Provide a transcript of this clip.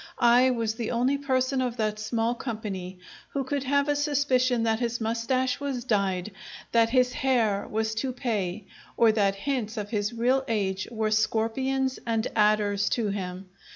I was the only person of that small company who could have a suspicion that his moustache was dyed, that his hair was toupee, or that hints of his real age were scorpions and adders to him.